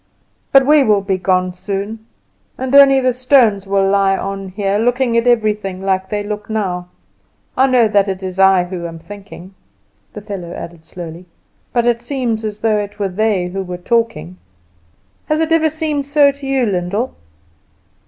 But we will be gone soon, and only the stones will lie on here, looking at everything like they look now. I know that it is I who am thinking," the fellow added slowly, "but it seems as though it were they who are talking. Has it never seemed so to you, Lyndall?"